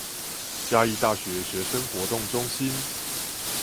嘉義大學學生活動中心